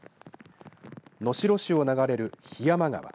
能代市を流れる桧山川